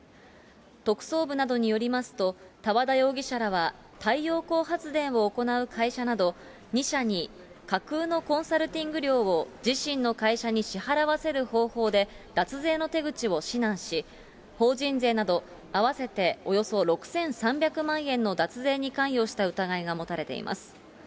特捜部などによりますと、多和田容疑者らは、太陽光発電を行う会社など２社に、架空のコンサルティング料を自身の会社に支払わせる方法で脱税の手口を指南し、法人税など合わせておよそ６３００万円の脱税に関与した疑いが持たれています。